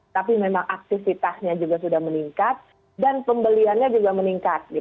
tapi memang aktivitasnya juga sudah meningkat dan pembeliannya juga meningkat